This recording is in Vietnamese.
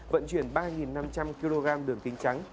vận chuyển ba năm trăm linh kg đường kính trắng